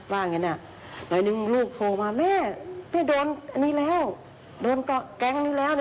หน่อยนึงลูกโทรมาแม่แม่โดนอันนี้แล้วโดนก็แก๊งนี้แล้ว